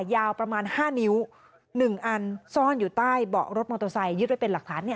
ยาวประมาณห้านิ้วหนึ่งอันซ่อนอยู่ใต้เบาะรถมอโตซัยยึดไว้เป็นหลักฐานเนี้ย